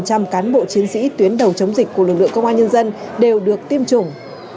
các cán bộ chiến sĩ tuyến đầu chống dịch của lực lượng công an nhân dân đều được tiêm chủng